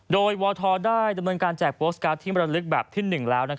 โดยวทได้ดำเนินการแจกโปสตการ์ดที่มรลึกแบบที่๑แล้ว